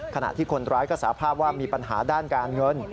ขณะที่คนร้ายก็สาภาพว่ามีปัญหาด้านการเงิน